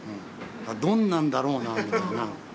どんなんだろうなみたいな。